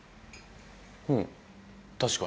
うん確かに。